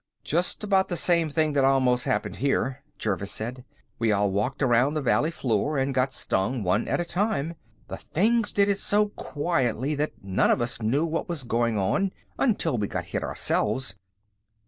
"Just about the same thing that almost happened here," Jervis said. "We all walked around the valley floor and got stung one at a time. The things did it so quietly that none of us knew what was going on until we got hit ourselves.